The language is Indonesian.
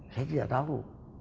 saya tidak tahu